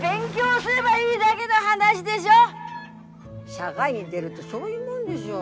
社会に出るってそういうもんでしょ。